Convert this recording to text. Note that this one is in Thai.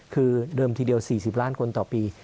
คือเดิมทีเดียว๔๐ล้านคนต่อปี